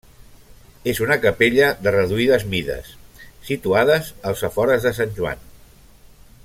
És una capella de reduïdes mides situades als afores de Sant Joan.